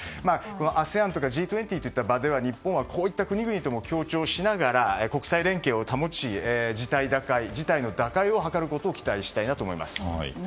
ＡＳＥＡＮとかＧ２０といった場では日本はこういった国々とも協調しながら、国際連携を保ち事態の打開を図ることを期待したいなと思います。